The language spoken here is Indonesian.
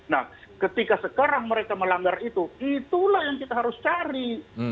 nah ketika sekarang mereka melanggar itu itulah yang kita harus cari